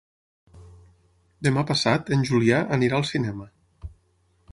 Demà passat en Julià anirà al cinema.